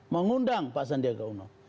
mengundang pak sandiaga uno